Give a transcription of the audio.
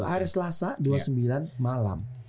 hari selasa dua puluh sembilan malam